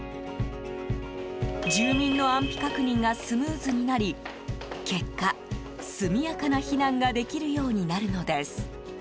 住民の安否確認がスムーズになり結果、速やかな避難ができるようになるのです。